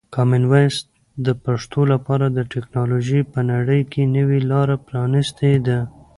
کامن وایس د پښتو لپاره د ټکنالوژۍ په نړۍ کې نوې لاره پرانیستې ده.